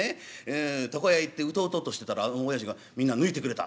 床屋へ行ってうとうととしてたらおやじがみんな抜いてくれた」。